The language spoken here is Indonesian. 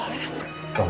gak usah aku bisa selera